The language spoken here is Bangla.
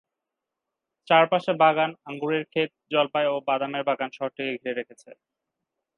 চারপাশে বাগান, আঙুরের ক্ষেত, জলপাই ও বাদামের বাগান শহরটিকে ঘিরে রেখেছে।